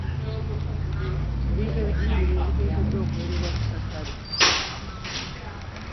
Ebintu ebijingirire biteekeddwa okuwerebwa ku katale.